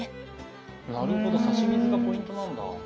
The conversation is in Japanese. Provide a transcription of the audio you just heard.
なるほど差し水がポイントなんだ。